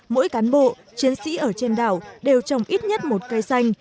mỗi cán bộ chiến sĩ ở trên đảo đều trồng ít nhất một cây xanh